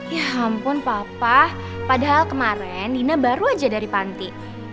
ya ampun papa padahal kemarin nina baru aja dari panti